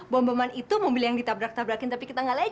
bom boman itu mobil yang ditabrak tabrakin tapi kita nggak legenda